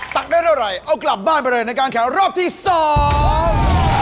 ตักได้เท่าไหร่เอากลับบ้านไปเลยในการแข่งรอบที่สอง